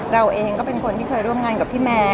เราเองก็เป็นคนที่เคยร่วมงานกับพี่แมร์